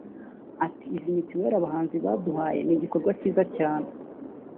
Ati “Izi mituelle abahanzi baduhaye ni igikorwa cyiza cyane